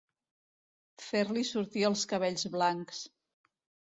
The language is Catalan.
Fer-li sortir els cabells blancs.